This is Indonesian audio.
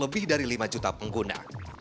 lebih dari lima juta pengguna